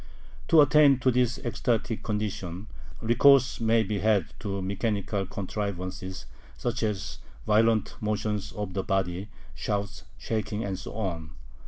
To attain to this ecstatic condition, recourse may be had to mechanical contrivances, such as violent motions of the body, shouts, shaking, and so on.